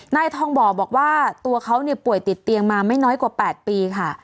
นายทองบ่อบอกว่าตัวเขาป่วยติดเตียงมาไม่น้อยกว่า๘ปีค่ะ